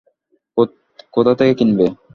কোথা থেকে কিনবে?